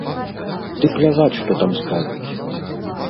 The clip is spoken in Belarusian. Ды пляваць, што там скажуць!